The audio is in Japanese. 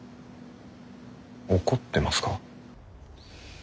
怒ってますか？